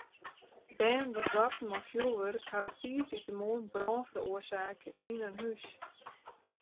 Bern dy't boarten mei fjurwurk hawwe tiisdeitemoarn brân feroarsake yn in hûs.